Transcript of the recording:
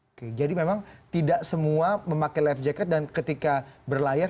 oke jadi memang tidak semua memakai life jacket dan ketika berlayar